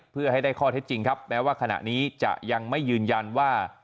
เพื่อให้ได้ข้อเท็จจริงครับแม้ว่าขณะนี้จะยังไม่ยืนยันว่า